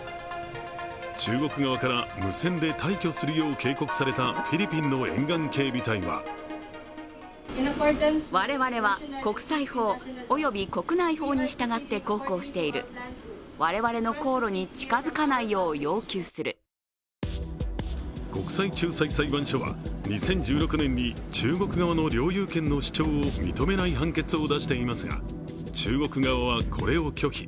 中国側から無線で退去するよう警告されたフィリピンの沿岸警備隊は国際仲裁裁判所は２０１６年に中国側の領有権の主張を認めない判決を出していますが、中国側はこれを拒否。